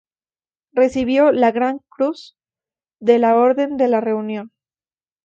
Recibió la Gran Cruz de la Orden de la Reunión.